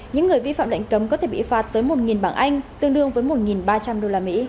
những người vi phạm lệnh cấm có thể bị phạt tới một bảng anh tương đương với một ba trăm linh usd